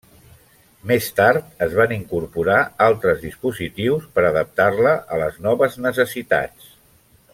Més tard es van incorporar altres dispositius per adaptar-la a les noves necessitats.